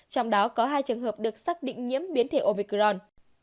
trong đó có hai trường hợp được xác định nhiễm biến thể operon